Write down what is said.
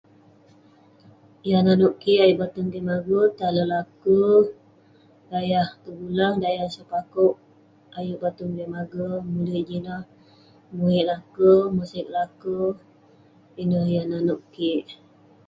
Yah nanouk kik ayuk batung kik maguk, tai ale laker dayah Tegulang, dayah Sepakouk. Ayuk batung kek maguk. Mulik jin ineh, muik laker, moseg laker. Ineh yah nanouk kik.